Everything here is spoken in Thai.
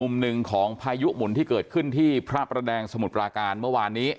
มุมหนึ่งของพายุหมุนที่เกิดขึ้นที่พระประแดงสมุทรปราการเมื่อวานนี้